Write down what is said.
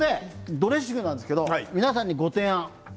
ドレッシングなんですけど皆さんに、ご提案。